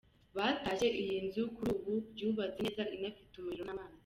Batashye iyi nzu kuri ubu yubatse neza inafite umuriro n’amazi.